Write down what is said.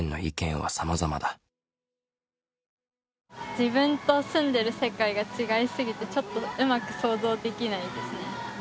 自分と住んでる世界が違いすぎてちょっとうまく想像できないですね。